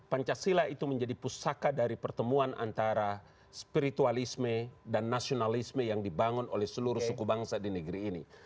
pancasila itu menjadi pusaka dari pertemuan antara spiritualisme dan nasionalisme yang dibangun oleh seluruh suku bangsa di negeri ini